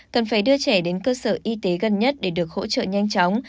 cần phải đưa trẻ đến cơ sở y tế gần nhất để được hỗ trợ nhanh chóng